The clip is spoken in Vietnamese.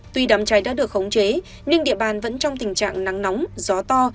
tuy đám cháy đã được khống chế nhưng địa bàn vẫn trong tình trạng nắng nóng gió to